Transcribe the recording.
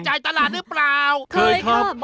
ขายของล่ะทุกคน